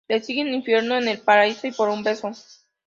Le siguen Infierno en el paraíso y Por un beso.